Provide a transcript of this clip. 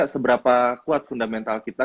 seberapa kuat fundamental kita